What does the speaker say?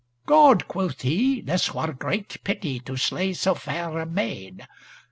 "God!" quoth he, "this were great pity to slay so fair a maid!